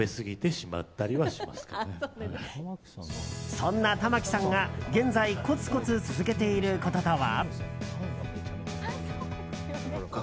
そんな玉木さんが現在コツコツ続けていることとは？